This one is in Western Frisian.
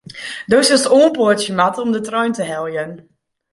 Do silst oanpoatsje moatte om de trein te heljen.